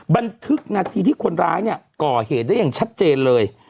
บันทึกนาทีที่คนร้ายเนี่ยก่อเหตุได้อย่างชัดเจนเลย